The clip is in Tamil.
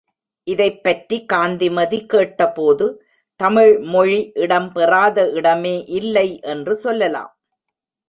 இதைப் பற்றி காந்திமதி கேட்ட போது, தமிழ் மொழி இடம் பெறாத இடமே இல்லை என்று சொல்லலாம்.